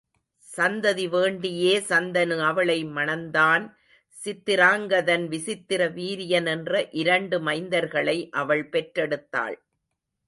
சந்ததிவேண்டியே சந்தனு அவளை மணந்தான் சித்திராங்கதன், விசித்திர வீரியன் என்ற இரண்டு மைந்தர்களை அவள் பெற்றெடுத்தாள்.